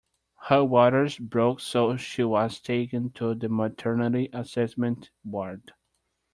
Her waters broke so she was taken to the maternity assessment ward.